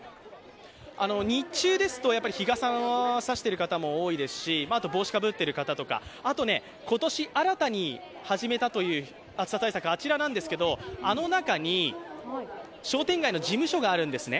日中ですと日傘を差してる方、多いですし帽子をかぶっている方とか、あとね、今年新たに始めた暑さ対策、あちらなんですがあの中に商店街の事務所があるんですね。